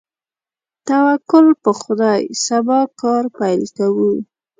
توکل په خدای، سبا کار پیل کوو.